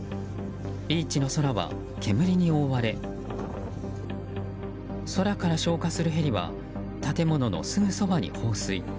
ビーチの空は煙に覆われ空から消火するヘリは建物のすぐそばに放水。